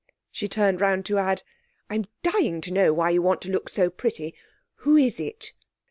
She turned round to add, 'I'm dying to know why you want to look so pretty. Who is it?'